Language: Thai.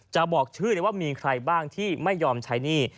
บอกชื่อเลยว่ามีใครบ้างที่ไม่ยอมใช้หนี้